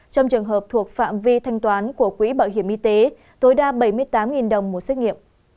trong trường hợp thuộc phạm vi thanh toán của quỹ bảo hiểm y tế tối đa bảy mươi tám đồng một xét nghiệm